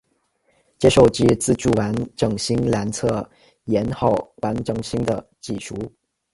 接收机自主完整性监测信号完整性的技术。